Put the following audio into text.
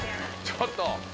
ちょっと。